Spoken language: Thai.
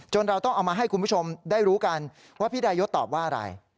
เราต้องเอามาให้คุณผู้ชมได้รู้กันว่าพี่ดายศตอบว่าอะไร